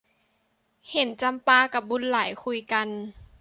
เห็นจำปากับบุญหลายคุยกัน